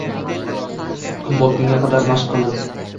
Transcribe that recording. Kun botgunga qadar mashq qildi.